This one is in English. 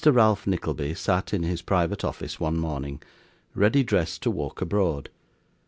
Ralph Nickleby sat in his private office one morning, ready dressed to walk abroad.